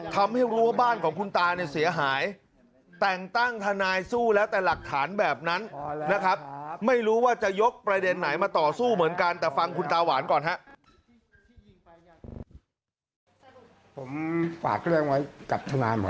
ทำให้รู้ว่าบ้านของคุณตาเสียหายแต่งตั้งทนายสู้แล้วแต่หลักฐานแบบนั้นนะครับ